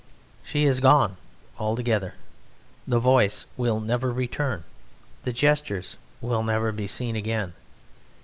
She is gone altogether, the voice will never return, the gestures will never be seen again.